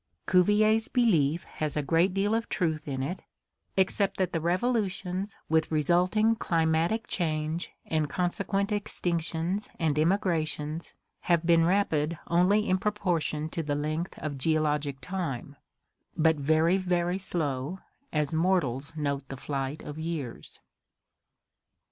Cuvier's belief has 6 ORGANIC EVOLUTION a great deal of truth in it, except that the "revolutions" with re sulting climatic change and consequent extinctions and immigra tions have been rapid only in proportion to the length of geologic time, but very, very slow as mortals note the flight of years.